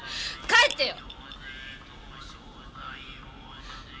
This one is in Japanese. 帰ってよ！